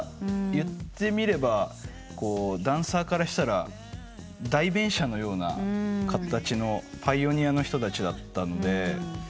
言ってみればダンサーからしたら代弁者のような形のパイオニアの人たちだったので。